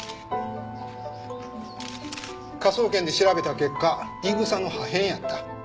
科捜研で調べた結果イグサの破片やった。